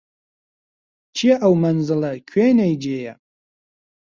چییە ئەو مەنزڵە کوێنەی جێیە